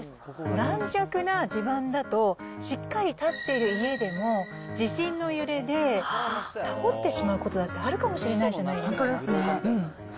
軟弱な地盤だとしっかり建っている家でも、地震の揺れで倒れてしまうことだってあるかもしれないじゃないで本当ですね。